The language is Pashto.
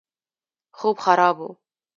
خوب خراب وو.